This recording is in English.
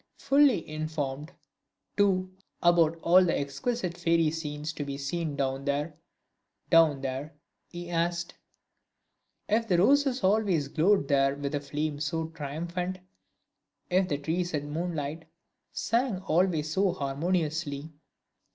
Fully informed, too, about all the exquisite fairy scenes to be seen DOWN THERE DOWN THERE, he asked "if the roses always glowed there with a flame so triumphant? if the trees at moonlight sang always so harmoniously?"